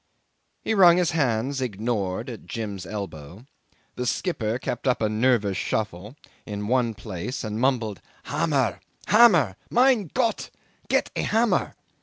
'He wrung his hands, ignored, at Jim's elbow. The skipper kept up a nervous shuffle in one place and mumbled, "Hammer! hammer! Mein Gott! Get a hammer."